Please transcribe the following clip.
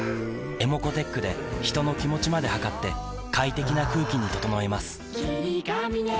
ｅｍｏｃｏーｔｅｃｈで人の気持ちまで測って快適な空気に整えます